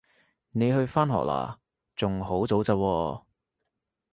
你去返學喇？仲好早咋喎